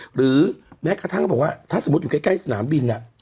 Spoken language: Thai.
หรือแม้กระทั่งเขาบอกว่าถ้าสมมุติอยู่ใกล้สนามบิน